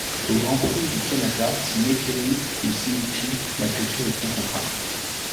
Au Grand Prix du Canada, son écurie lui signifie la clôture de son contrat.